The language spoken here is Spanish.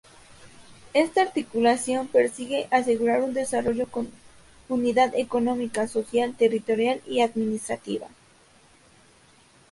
Esta articulación persigue asegurar un desarrollo con unidad económica, social, territorial y administrativa.